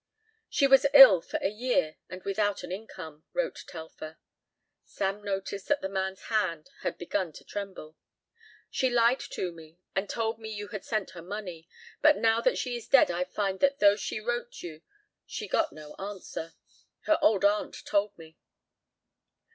"She was ill for a year and without an income," wrote Telfer. Sam noticed that the man's hand had begun to tremble. "She lied to me and told me you had sent her money, but now that she is dead I find that though she wrote you she got no answer. Her old aunt told me."